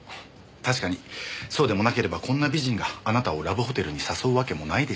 確かにそうでもなければこんな美人があなたをラブホテルに誘うわけもないでしょうし。